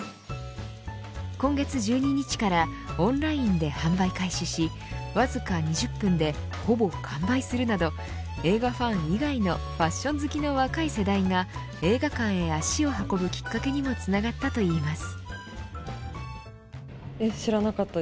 今月１２日からオンラインで販売開始しわずか２０分でほぼ完売するなど映画ファン以外のファッション好きの若い世代が映画館へ足を運ぶきっかけにもつながったといいます。